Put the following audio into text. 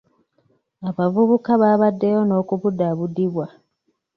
Abavubuka baabaddeyo n'okubudaabudibwa.